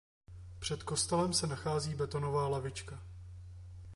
Před kostelem se nachází betonová lavička.